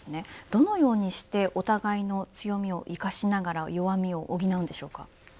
どのようにしてお互いの強みを生かしながら弱みを補うのでしょうか。